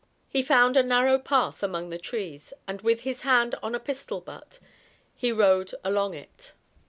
He found a narrow path among the trees, and with his hand on a pistol butt he rode along it.